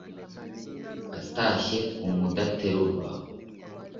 atashye ku mudaterurwa,